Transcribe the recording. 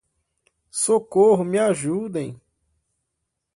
Socorro, me ajudem!